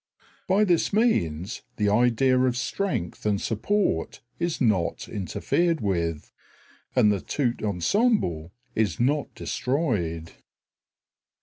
By this means the idea of strength and support is not interfered with, and the tout ensemble is not destroyed.